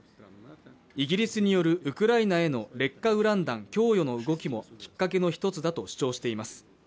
イギリスによるウクライナへの劣化ウラン弾供与の動きもきっかけの一つだと主張しています。